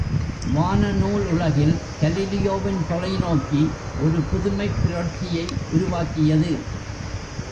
வான நூல் உலகில் கலீலியோவின் தொலைநோக்கி ஒரு புதுமைப் புரட்சியை உருவாக்கியது.